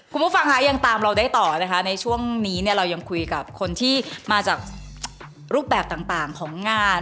คุณผู้ฟังค่ะยังตามเราได้ต่อนะคะในช่วงนี้เนี่ยเรายังคุยกับคนที่มาจากรูปแบบต่างของงาน